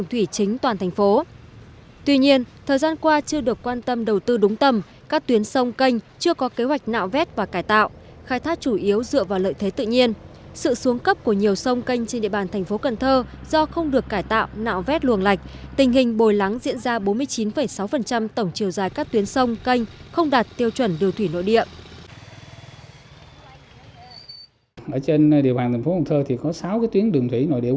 tình hình nâng cấp của nhiều sông canh trên địa bàn thành phố cần thơ do không được cải tạo nạo vét luồng lạch tình hình bồi lắng diễn ra bốn mươi chín sáu tổng chiều dài các tuyến sông canh không đạt tiêu chuẩn đường thủy nội địa